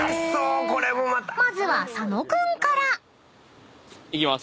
［まずは佐野君から］いきます。